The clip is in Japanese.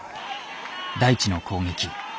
大智の攻撃。